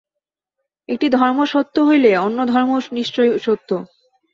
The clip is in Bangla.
একটি ধর্ম সত্য হইলে অন্যান্য ধর্মও নিশ্চয়ই সত্য।